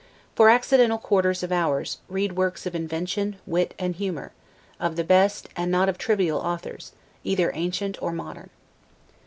For accidental quarters of hours, read works of invention, wit and humor, of the best, and not of trivial authors, either ancient or modern.